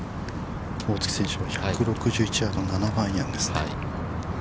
◆大槻選手は１６１ヤード、７番アイアンですね。